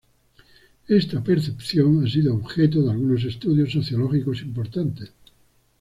Esta percepción ha sido objeto de algunos estudios sociológicos importantes.